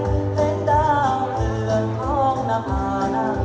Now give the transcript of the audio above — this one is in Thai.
เห็นดาวเหลือของหน้าพาดา